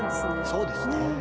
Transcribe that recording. そうですね。